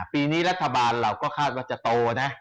ปีนี้รัฐบาลเราก็คาดว่าจะโตนะ